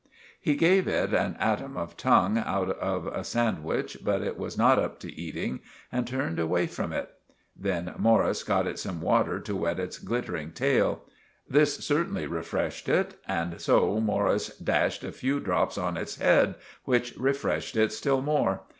He gave it an atom of tongue out of a sandwich, but it was not up to eating, and turned away from it. Then Morris got it some water to wet its glittering tail. This certainly refreshed it and so Morris dashed a few drops on its head which refreshed it still more.